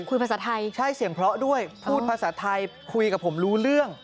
คุยภาษาไทยใช่เสียงเพราะด้วยพูดภาษาไทยคุยกับผมรู้เรื่อง